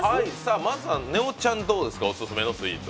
まずはねおちゃん、どうですか、オススメのスイーツ。